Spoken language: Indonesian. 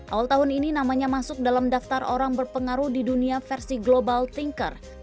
awal tahun ini namanya masuk dalam daftar orang berpengaruh di dunia versi global thinker